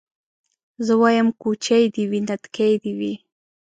زه وايم کوچۍ دي وي نتکۍ دي وي